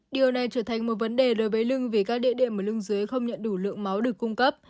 điều này trở thành một vấn đề đối với lưng vì các địa điểm ở lưng dưới không nhận đủ lượng máu được cung cấp